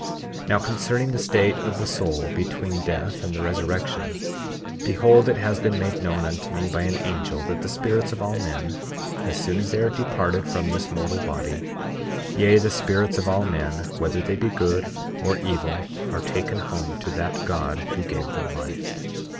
40:11 Now, concerning the state of the soul between death and the resurrection—Behold, it has been made known unto me by an angel, that the spirits of all men, as soon as they are departed from this mortal body, yea, the spirits of all men, whether they be good or evil, are taken home to that God who gave them life.